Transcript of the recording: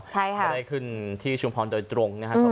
จะได้ขึ้นที่ชุมพรโดยตรงนะครับสวัสดีครับ